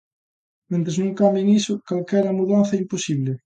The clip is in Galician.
Mentres non cambien iso calquera mudanza é imposible.